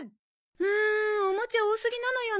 うんおもちゃ多すぎなのよね。